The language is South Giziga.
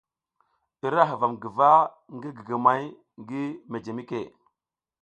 I ra huvam guva ngi gigimay ngi mejemike.